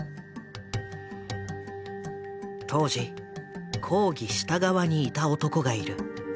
当時抗議した側にいた男がいる。